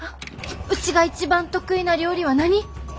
うちが一番得意な料理は何？